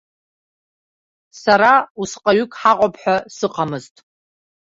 Сара усҟаҩык ҳаҟоуп ҳәа сыҟаӡамызт.